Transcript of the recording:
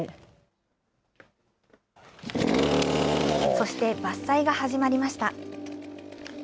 そして伐採が始まりました。